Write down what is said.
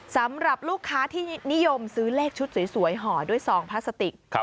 สำหรับลูกค้าที่นิยมซื้อเลขชุดสวยห่อด้วยซองพลาสติก